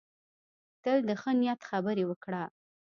تل د ښه نیت خبرې وکړه.